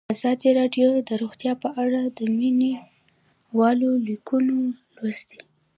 ازادي راډیو د روغتیا په اړه د مینه والو لیکونه لوستي.